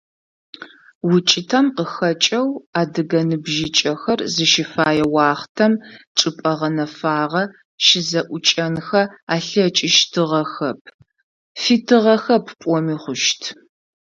УкӀытэм къыхэкӀэу адыгэ ныбжьыкӀэхэр зыщыфэе уахътэм чӀыпӀэ гъэнэфагъэ щызэӀукӀэнхэ алъэкӀыщтыгъэхэп, фитыгъэхэп пӀоми хъущт.